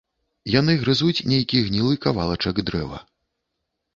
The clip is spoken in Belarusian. Яны грызуць нейкi гнiлы кавалачак дрэва...